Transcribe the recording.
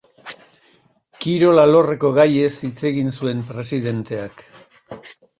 Kirol alorreko gaiez hitz egin zuen presidenteak.